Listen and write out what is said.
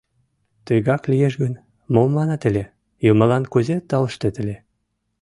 Тыгак лиеш гын, мом манат ыле, Юмылан кузе тауштет ыле.